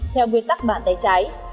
theo nguyên tắc bạn tay trái